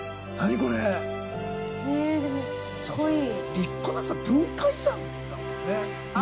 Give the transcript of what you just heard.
立派な文化遺産だもんね。